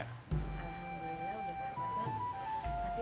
alhamdulillah udah baru makan